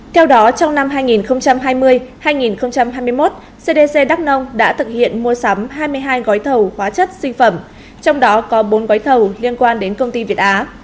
theo đó trong năm hai nghìn hai mươi hai nghìn hai mươi một cdc đắk nông đã thực hiện mua sắm hai mươi hai gói thầu hóa chất sinh phẩm trong đó có bốn gói thầu liên quan đến công ty việt á